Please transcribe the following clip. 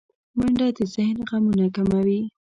منډه د ذهن غمونه کموي